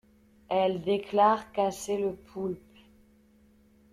Elle déclare casser le poulpe.